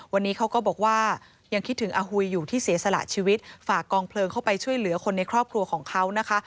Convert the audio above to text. วันนี้เขาก็บอกว่ายังคิดถึงอาหุยอยู่ที่เสียสละชีวิตฝากกองเพลิงเข้าไปช่วยเหลือคนในครอบครัวของเขานะคะ